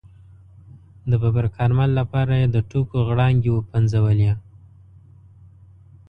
د ببرک کارمل لپاره یې د ټوکو غړانګې وپنځولې.